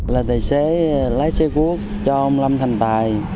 là tài xế lái xe quốc cho ông lâm thành tài